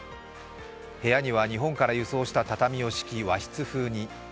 部屋には日本から輸入した畳を敷き、和室風に。